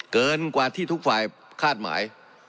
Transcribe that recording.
เกินกว่าที่ทุกฝ่ายคาดหมาย